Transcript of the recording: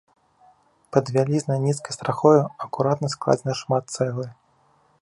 Пад вялізнай нізкай страхою акуратна складзена шмат цэглы.